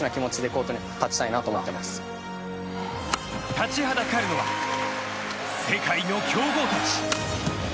立ちはだかるのは世界の強豪たち。